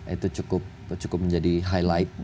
itu cukup menjadi highlight